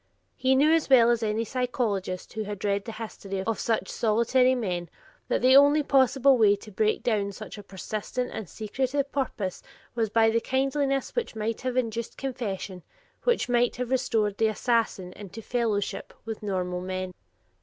He knew as well as any psychologist who has read the history of such solitary men that the only possible way to break down such a persistent and secretive purpose, was by the kindliness which might have induced confession, which might have restored the future assassin into fellowship with normal men.